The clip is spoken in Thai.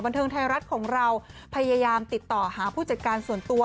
เทิงไทยรัฐของเราพยายามติดต่อหาผู้จัดการส่วนตัว